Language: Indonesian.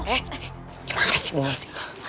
eh gimana sih bunga sih